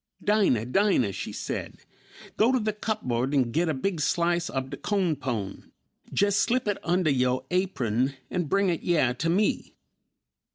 "Dinah, Dinah," she said. "Go to the cupboard and git a big slice ob de co'n pone; jes slip it undah you aprun and bring it yeah to me."